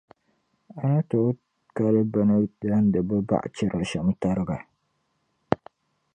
A ni tooi kali bɛ ni dandi bɛ baɣa chira shɛm tariga?